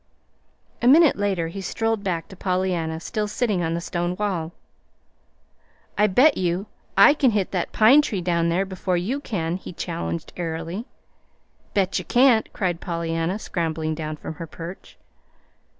A minute later he strolled back to Pollyanna still sitting on the stone wall. "I bet you I can hit that pine tree down there before you can," he challenged airily. "Bet you can't," cried Pollyanna, scrambling down from her perch.